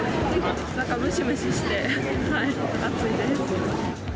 なんかムシムシして、暑いです。